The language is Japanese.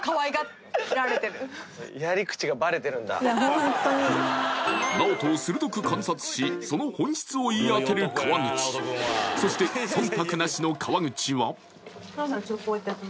ホントにＮＡＯＴＯを鋭く観察しその本質を言い当てる川口そしてえっ？